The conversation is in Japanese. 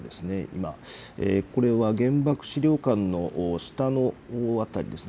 今、これは原爆資料館の下の辺りですね。